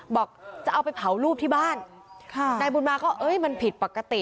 บอกจะเอาไปเผารูปที่บ้านค่ะนายบุญมาก็เอ้ยมันผิดปกติ